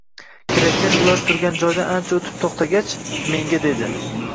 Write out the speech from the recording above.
Kirakash ular turgan joydan ancha o`tib to`xtagach, menga dedi